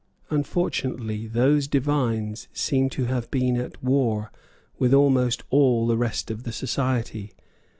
Unfortunately those divines seem to have been at war with almost all the rest of the society.